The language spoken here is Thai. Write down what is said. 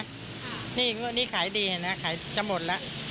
กลัวนี้ขายดีนะขายจะหมดแล้ว